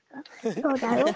そうだろう。